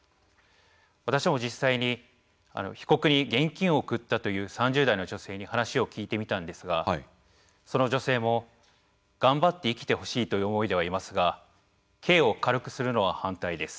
私も実際に被告に現金を送ったという３０代の女性に話を聞いてみたんですがその女性も「頑張って生きてほしいという思いではいますが刑を軽くするのは反対です。